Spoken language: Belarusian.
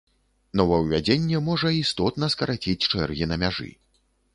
Новаўвядзенне можа істотна скараціць чэргі на мяжы.